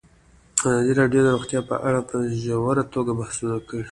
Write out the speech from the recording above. ازادي راډیو د روغتیا په اړه په ژوره توګه بحثونه کړي.